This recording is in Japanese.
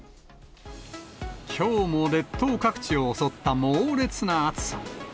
きょうも列島各地を襲った猛烈な暑さ。